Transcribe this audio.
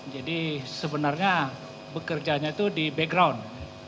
jadi sebenarnya bekerjanya itu di background